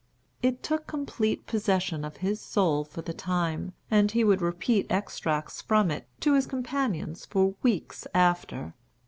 It took complete possession of his soul for the time, and he would repeat extracts from it to his companions for weeks after.